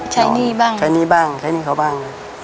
ใช้หนี้บ้าง